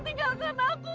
tidak tinggalkan aku